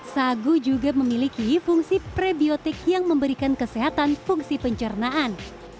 sagu juga memiliki fungsi prebiotik yang memberikan kesehatan fungsi pencernaan